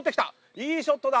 いいショットだ。